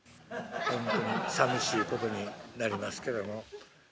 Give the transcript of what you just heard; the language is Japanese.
ほんとにさみしいことになりますけども。